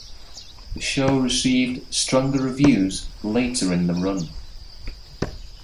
The show received stronger reviews later in the run.